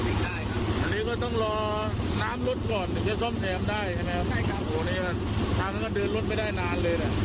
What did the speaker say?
คือการพันธุ์เทพฯที่จะเร่งความใจเลยครับ